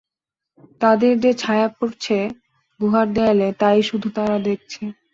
তাদের যে-ছায়া পড়ছে গুহার দেয়ালে, তা-ই শুধু তারা দেখছে।